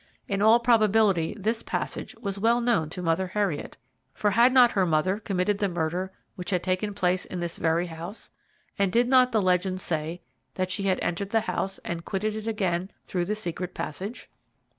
In all probability this passage was well known to Mother Heriot, for had not her mother committed the murder which had taken place in this very house, and did not the legend say that she had entered the house, and quitted it again through the secret passage?